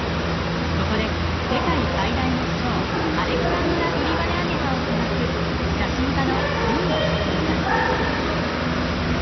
ここで世界最大のチョウアレクサンドラトリバネアゲハを探す写真家の海野和男さん。